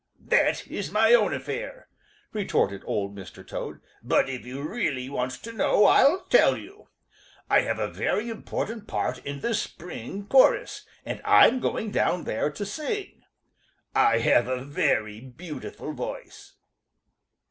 "That is my own affair," retorted Old Mr. Toad, "but if you really want to know, I'll tell you. I have a very important part in the spring chorus, and I'm going down there to sing. I have a very beautiful voice."